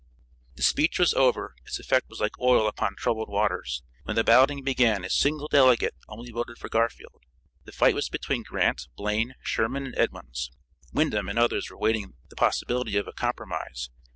The speech was over, its effect was like oil upon troubled waters. When the balloting began a single delegate only voted for Garfield. The fight was between Grant, Blaine, Sherman and Edmunds; Windom and others were waiting the possibility of a compromise.